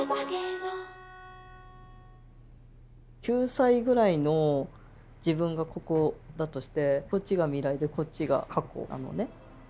９歳ぐらいの自分がここだとしてこっちが未来でこっちが過去なのね。